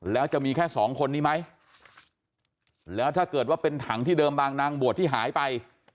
แล้วจะมีแค่สองคนนี้ไหมแล้วถ้าเกิดว่าเป็นถังที่เดิมบางนางบวชที่หายไป